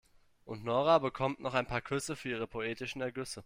Und Nora bekommt noch ein paar Küsse für ihre poetischen Ergüsse.